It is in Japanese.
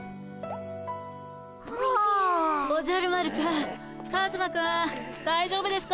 おじゃる丸くんカズマくんだいじょうぶですか。